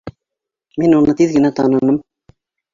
Мин уны тиҙ генә таныным